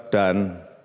dua dan satu